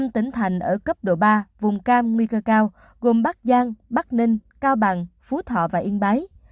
năm tỉnh thành ở cấp độ ba vùng cam nguy cơ cao gồm bắc giang bắc ninh cao bằng phú thọ và yên bái